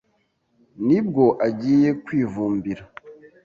ni bwo agiye kwivumbira